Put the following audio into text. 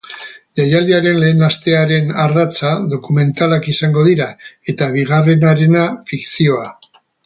Jaialdiaren lehen astearen ardatza dokumentalak izango dira, eta bigarrenarena, fikzioa.